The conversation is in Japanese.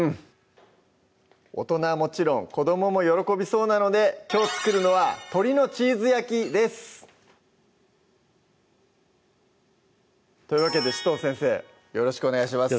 大人はもちろん子どもも喜びそうなのできょう作るのは「鶏のチーズ焼き」ですというわけで紫藤先生よろしくお願いします